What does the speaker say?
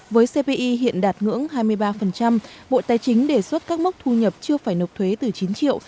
với cpi hiện đạt ngưỡng hai mươi ba bộ tài chính đề xuất các mức thu nhập chưa phải nộp thuế từ chín triệu